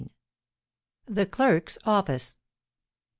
THE CLERK'S OFFICE.